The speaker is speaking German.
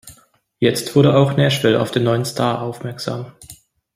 Jetzt wurde auch Nashville auf den neuen Star aufmerksam.